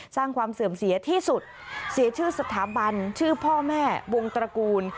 สร้างความเสื่อมเสียที่สุดเสียชื่อสถาบันชื่อพ่อแม่วงตระกูล